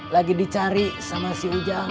lagi dicari sama si ujang